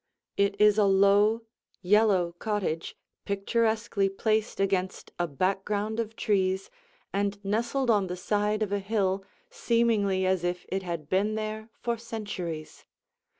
It is a low, yellow cottage, picturesquely placed against a background of trees and nestled on the side of a hill seemingly as if it had been there for centuries.